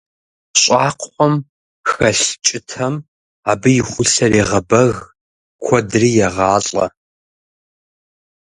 Щӏакхъуэм хэлъ кӀытэм абы и хулъэр егъэбэг, куэдри егъалӀэ.